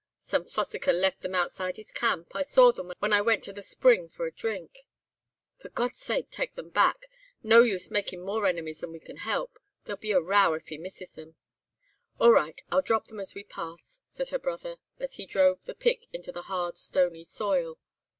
"'Some fossicker left them outside his camp. I saw them when I went to the spring for a drink.' "'For God's sake take them back, no use making more enemies than we can help. There'll be a row if he misses 'em!' "'All right! I'll drop them as we pass,' said her brother, as he drove the pick into the hard, stony soil.